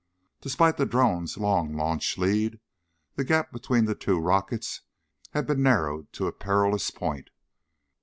Despite the drone's long launch lead, the gap between the two rockets had been narrowed to a perilous point.